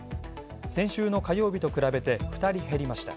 先週の火曜日と比べて２人減りました。